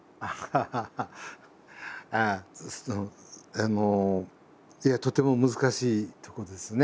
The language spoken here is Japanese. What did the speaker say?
ああいやとても難しいとこですね。